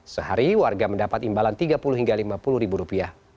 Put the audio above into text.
sehari warga mendapat imbalan rp tiga puluh rp lima puluh